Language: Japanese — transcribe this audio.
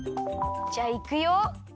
じゃあいくよ。